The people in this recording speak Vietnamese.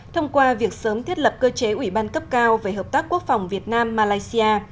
thông qua việc sớm thiết lập cơ chế ủy ban cấp cao về hợp tác quốc phòng việt nam malaysia